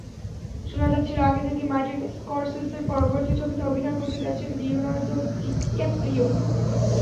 শোনা যাচ্ছিল আগে থেকেই, মার্টিন স্করসিসের পরবর্তী ছবিতে অভিনয় করতে যাচ্ছেন লিওনার্দো ডিক্যাপ্রিও।